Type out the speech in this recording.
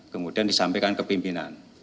kemudian disampaikan ke pimpinan